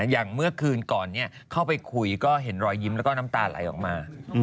อย่างเมื่อคืนก่อนเข้าไปคุยก็เห็นรอยยิ้มแล้วก็น้ำตาไหลออกมา